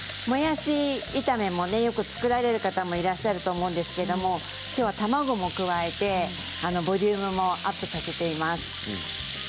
もやし炒めもよく作られる方はいらっしゃると思うんですがきょうは卵も加えてボリュームもアップさせています。